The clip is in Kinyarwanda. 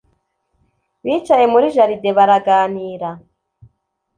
bicaye muri jaride baraganira